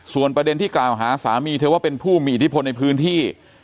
ส่วนประเด็นที่กล่าวหาสามีเธอว่าเป็นผู้มีอิทธิพลในพื้นที่